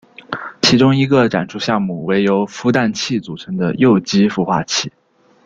其中一个展出项目为由孵蛋器组成的幼鸡孵化器。